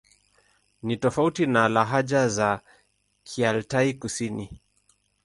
Ni tofauti na lahaja za Kialtai-Kusini.